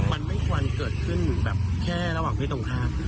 มันไม่ควรเกิดขึ้นแบบแค่ราวหรอกไหมค่ะ